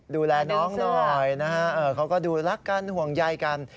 ดูแลน้องหน่อยนะฮะเขาก็ดูรักกันห่วงใยกัน